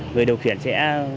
người điều khiển sẽ